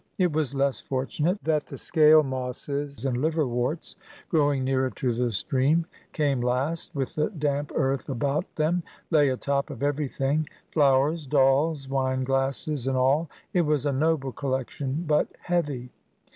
It was less fortunate that the scale mosses and liverworts, growing nearer to the stream, came last, and, with the damp earth about them, lay a top of every thing, flowers, dolls' wine glasses, and all. It was a noble collection—but heavy.